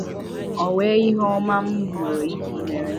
o nwee ihe ọma m nwere ike imere